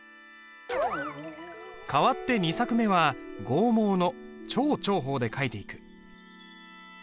変わって２作目は剛毛の超長鋒で書いていく。